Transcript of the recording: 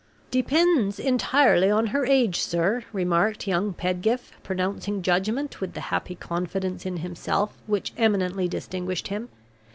"Depends, entirely on her age, sir," remarked young Pedgift, pronouncing judgment with the happy confidence in himself which eminently distinguished him.